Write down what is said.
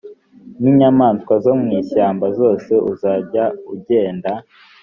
n inyamaswa zo mu ishyamba zose uzajya ugenda